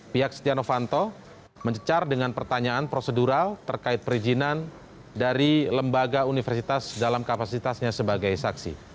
pihak setia novanto mencecar dengan pertanyaan prosedural terkait perizinan dari lembaga universitas dalam kapasitasnya sebagai saksi